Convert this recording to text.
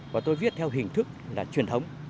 và tôi viết theo hình thức là truyền thống